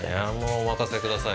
お任せください。